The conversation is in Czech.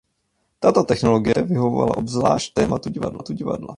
Tato technologie vyhovovala obzvlášť tématu divadla.